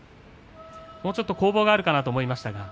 もっと攻防があるかと思いました。